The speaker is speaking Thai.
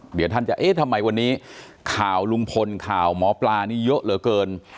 เดี๋ยวท่านจะเอ๊ะทำไมวันนี้ข่าวลุงพลข่าวหมอปลานี่เยอะเหลือเกิน